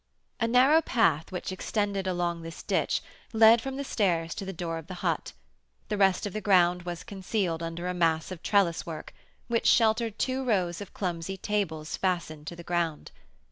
A narrow path, which extended along this ditch, led from the stairs to the door of the hut; the rest of the ground was concealed under a mass of trellis work, which sheltered two rows of clumsy tables, fastened to the ground.